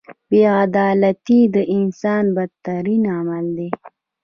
• بې عدالتي د انسان بدترین عمل دی.